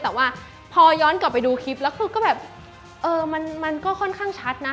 แต่พอย้อนกลับไปดูคลิปแล้วก็มันก็ค่อนข้างชัดนะ